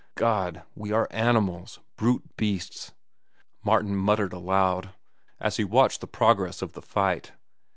"God! We are animals! Brute beasts!" Martin muttered aloud, as he watched the progress of the fight.